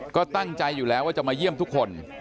ก็ตั้งใจอยู่แล้วว่าจะมาเยี่ยมทุกคน